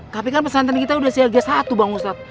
tapi kan pesantren kita udah siaga satu bang ustadz